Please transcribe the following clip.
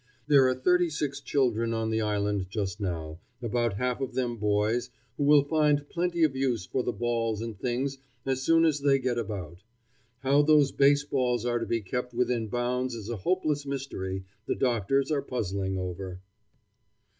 There are thirty six sick children on the island just now, about half of them boys, who will find plenty of use for the balls and things as soon as they get about. How those base balls are to be kept within bounds is a hopeless mystery the doctors are puzzling over.